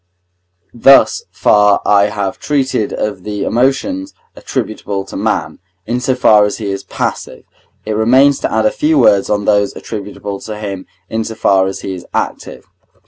Thus far I have treated of the emotions attributable to man, in so far as he is passive. It remains to add a few words on those attributable to him in so far as he is active.